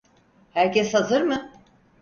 Herkes hazır mı?